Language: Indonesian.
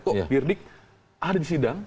kok dirdik ada di sidang